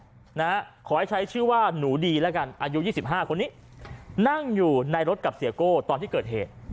ขอให้ใช้ชื่อว่าหนูดีแล้วกันอายุ๒๕คนนี้นั่งอยู่ในรถกับเสียโก้ตอนที่เกิดเหตุ